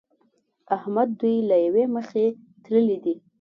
احمد دوی له يوې مخې تللي دي.